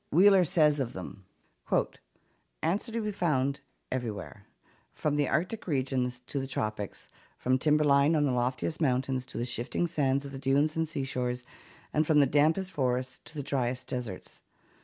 Wheeler says of them: "Ants are to be found everywhere, from the arctic regions to the tropics, from timberline on the loftiest mountains to the shifting sands of the dunes and sea shores, and from the dampest forests to the driest deserts.